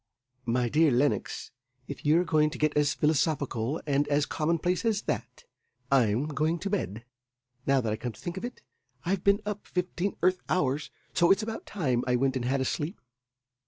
"My dear Lenox, if you're going to get as philosophical and as commonplace as that, I'm going to bed. Now that I come to think of it, I've been up about fifteen Earth hours, so it's about time I went and had a sleep.